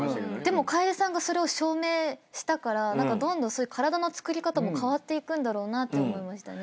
でも楓さんがそれを証明したからどんどん体のつくり方も変わっていくんだろうなって思いましたね。